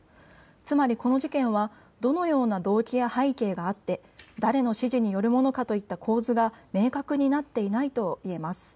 つまりこの事件はどのような動機や背景があって誰の指示によるものかといった構図が明確になっていないと言えます。